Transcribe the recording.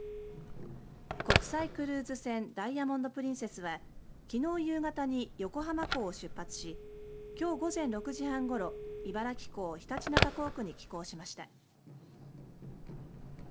国際クルーズ船ダイヤモンド・プリンセスはきのう夕方に横浜港を出発しきょう午前６時半ごろ茨城港常陸那珂港区に寄港しました。